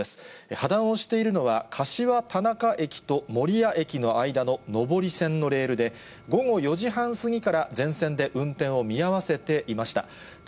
破断をしているのは、柏たなか駅と守谷駅の間の上り線のレールで、午後４時半過ぎから全線で運転を見合わせていました。